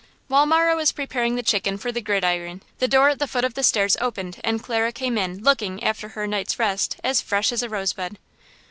While Marah was preparing the chicken for the gridiron the door at the foot of the stairs opened and Clara came, in, looking, after her night's rest, as fresh as a rosebud.